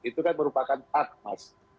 itu kan merupakan hak mas